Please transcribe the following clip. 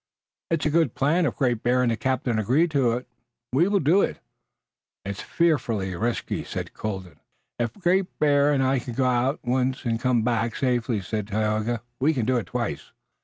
"It is a good plan. If Great Bear and the captain agree to it we will do it." "It's fearfully risky," said Colden. "If Great Bear and I can go out once and come back safely," said Tayoga, "we can do it twice."